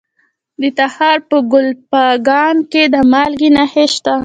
د تخار په کلفګان کې د مالګې نښې شته.